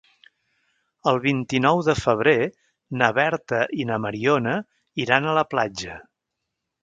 El vint-i-nou de febrer na Berta i na Mariona iran a la platja.